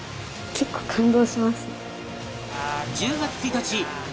結構感動しますね。